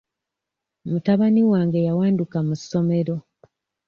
Mutabani wange yawanduka mu ssomero.